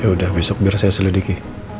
yaudah besok biar saya selidiki